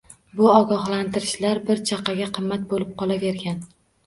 Bu ogohlantirishlar bir chaqaga qimmat bo`lib qolavergan